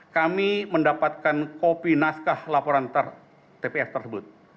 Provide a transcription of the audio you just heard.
kami mendapatkan kopi naskah laporan tps tersebut